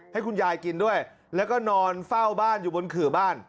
ให้คุณยายกินด้วยแล้วก็นอนเฝ้าบ้านอยู่บนขื่อบ้าน